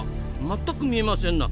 全く見えませんな。